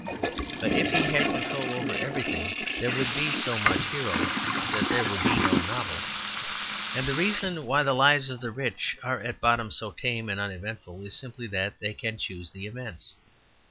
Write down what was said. But if he had control over everything, there would be so much hero that there would be no novel. And the reason why the lives of the rich are at bottom so tame and uneventful is simply that they can choose the events.